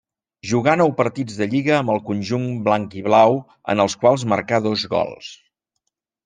Jugà nou partits de lliga amb el conjunt blanc-i-blau en els quals marcà dos gols.